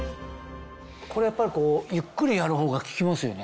これやっぱりゆっくりやるほうが効きますよね？